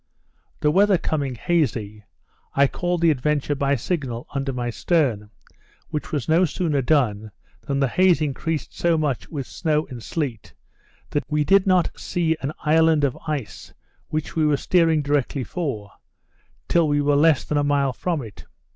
The weather coming hazy, I called the Adventure by signal under my stern, which was no sooner done, than the haze increased so much with snow and sleet, that we did not see an island of ice, which we were steering directly for, till we were less than a mile from it.